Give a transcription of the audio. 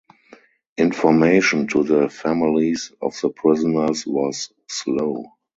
Information to the families of the prisoners was slow.